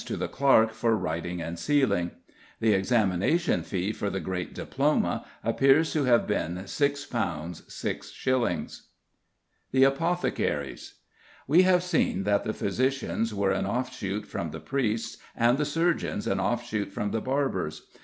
to the clerk for writing and seal. The examination fee for the great diploma appears to have been £6 6s. THE APOTHECARIES. We have seen that the physicians were an offshoot from the priests and the surgeons an offshoot from the barbers.